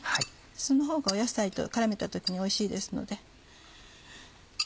そのほうが野菜と絡めた時においしいですので。